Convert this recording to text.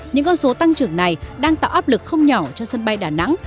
những con số tăng trưởng này đang tạo áp lực không nhỏ cho sân bay đà nẵng